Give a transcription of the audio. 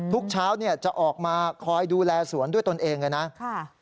ทุกเช้าจะออกมาคอยดูแลศรด้วยตนเองใช่ไหม